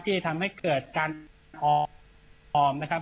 ที่ทำให้เกิดการออมนะครับ